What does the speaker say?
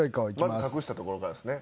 まず隠したところからですね。